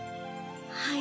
はい。